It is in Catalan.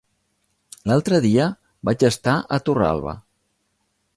L'altre dia vaig estar a Torralba.